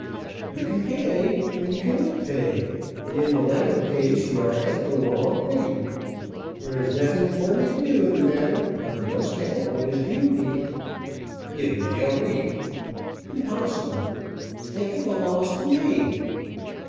"You can pay or you cannot pay, and in the latter case you are at the wall already. There is nothing for me to do in the matter; I must have what is due me." "Give me a week." "Impossible! Think of the loss to me."